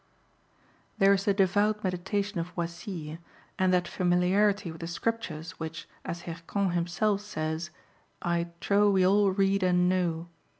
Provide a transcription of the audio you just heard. There is the devout meditation of Oisille, and that familiarity with the Scriptures which, as Hircan himself says, "I trow we all read and know."